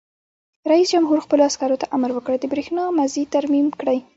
رئیس جمهور خپلو عسکرو ته امر وکړ؛ د برېښنا مزي ترمیم کړئ!